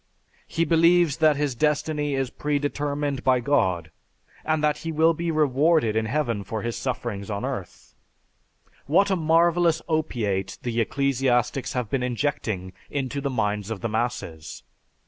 He believes that his destiny is predetermined by God and that he will be rewarded in heaven for his sufferings on earth. What a marvelous opiate the ecclesiastics have been injecting into the minds of the masses!